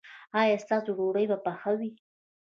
ایا ستاسو ډوډۍ به پخه وي؟